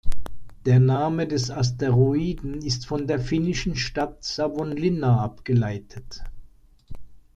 Der Name des Asteroiden ist von der finnischen Stadt Savonlinna abgeleitet.